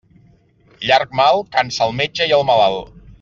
Llarg mal cansa el metge i el malalt.